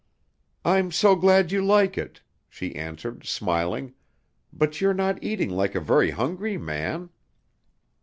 "I'm so glad you like it," she answered smiling, "but you're not eating like a very hungry man."